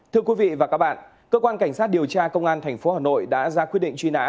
thưa quý vị và các bạn cơ quan cảnh sát điều tra công an tp hà nội đã ra quyết định truy nã